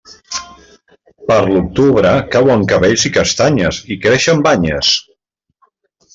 Per l'octubre, cauen cabells i castanyes, i creixen banyes.